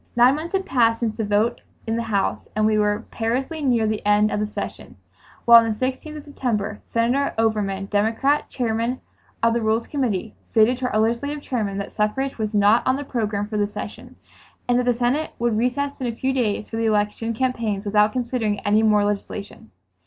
Nine months had passed since the vote in the House and we were perilously near the end of the session, when on the 16th of September, Senator Overman, Democrat, Chairman of the Rules Committee, stated to our Legislative Chairman that suffrage was "not on the program for this session" and that the Senate would recess in a few days for the election campaigns without considering any more legislation.